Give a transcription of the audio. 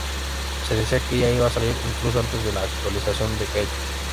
Se decía que ella iba a salir incluso antes de la actualización de Kaito.